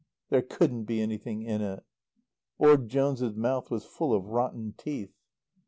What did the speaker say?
There couldn't be anything in it. Orde Jones's mouth was full of rotten teeth.